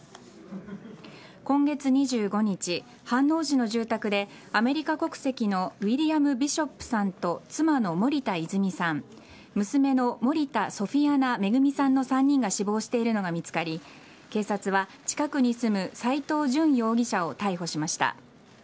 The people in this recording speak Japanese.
今月２５日、飯能市の住宅でアメリカ国籍のウィリアム・ビショップさんと妻の森田泉さん娘の森田ソフィアナ恵さんの３人が死亡しているのが見つかり警察は近くに住む斎藤淳容疑者を逮捕しました。